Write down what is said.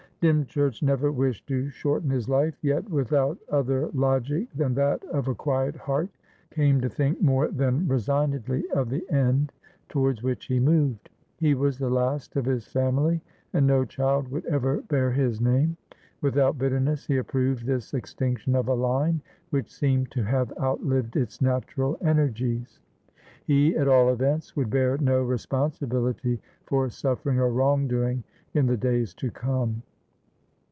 Dymchurch never wished to shorten his life, yet, without other logic than that of a quiet heart, came to think more than resignedly of the end towards which he moved. He was the last of his family, and no child would ever bear his name. Without bitterness, he approved this extinction of a line which seemed to have outlived its natural energies. He, at all events, would bear no responsibility for suffering or wrongdoing in the days to come.